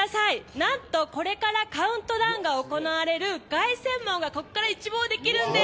何とこれからカウントダウンが行われる凱旋門がここから一望できるんです。